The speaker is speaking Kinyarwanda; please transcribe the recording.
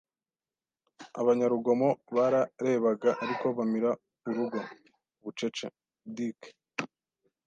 Abanyarugomo bararebaga ariko bamira urugo- bucece. “Dick